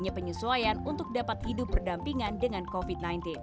penyesuaian untuk dapat hidup berdampingan dengan covid sembilan belas